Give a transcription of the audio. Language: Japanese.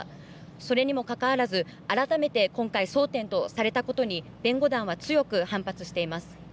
それにもかかわらず改めて今回、争点とされたことに弁護団は強く反発しています。